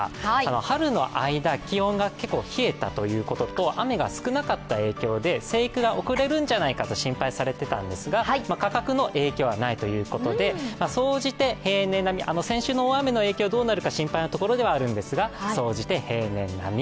春の間気温が結構冷えたということと雨が少なかった影響で、成育が遅れるんじゃないかと心配されていたんですが、価格の影響はないということで総じて平年並み、先週の大雨の影響がどうなるか心配なところはあるんですが総じて平年並み。